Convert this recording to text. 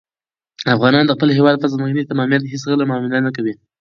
افغانان د خپل هېواد په ځمکنۍ تمامیت هېڅکله معامله نه کوي.